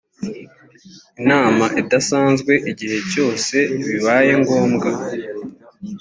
inama idasanzwe igihe cyose bibaye ngombwa.